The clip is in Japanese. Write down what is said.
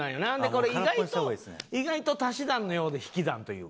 これ意外と意外と足し算のようで引き算というか。